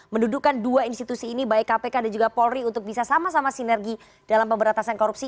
mendudukan dua institusi ini baik kpk dan juga polri untuk bisa sama sama sinergi dalam pemberantasan korupsi